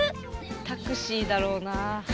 タクシーだろうなあ。